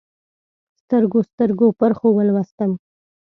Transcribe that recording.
سترګو، سترګو پرخو ولوستم